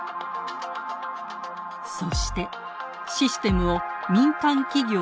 そしてシステムを民間企業に開放。